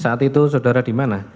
saat itu saudara di mana